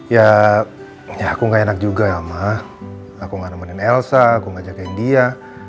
ya aku gak enak juga ya sama aku gak nemenin elsa aku ngajakin dia